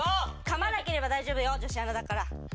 かまなければ大丈夫よ女子アナだから。